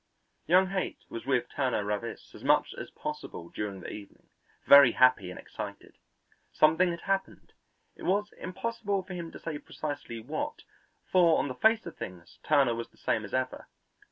Young Haight was with Turner Ravis as much as possible during the evening, very happy and excited. Something had happened; it was impossible for him to say precisely what, for on the face of things Turner was the same as ever.